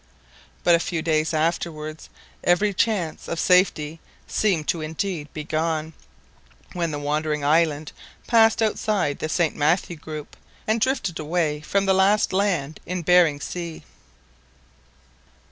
But a few days afterwards, every chance of safety seemed to be indeed gone, when the wandering island passed outside the St Matthew group, and drifted away from the last land in Behring Sea!